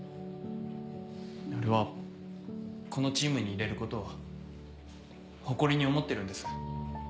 俺はこのチームにいれることを誇りに思ってるんです。